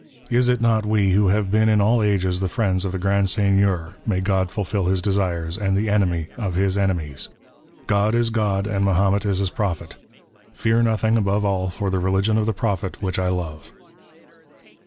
Is it not we who " have been in all ages the friends of the Grand Seigneur — may " God fulfil his desires — and the enemv of his enemies. God is " God, and Mahomet is his Prophet ! Fear notliing above all for '' the religion of the Prophet, which I love."